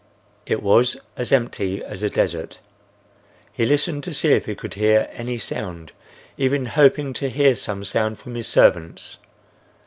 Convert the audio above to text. It was as empty as a desert. He listened to see if he could hear any sound, even hoping to hear some sound from his servants.